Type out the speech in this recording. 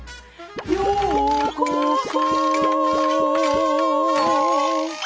「ようこそ」